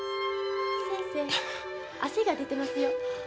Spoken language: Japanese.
先生汗が出てますよ。